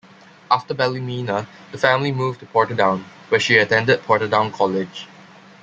After Ballymena, the family moved to Portadown where she attended Portadown College.